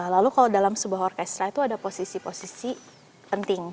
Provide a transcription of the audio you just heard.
lalu kalau dalam sebuah orkestra itu ada posisi posisi penting